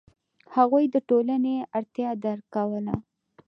هغوی د ټولنې اړتیا درک کوله.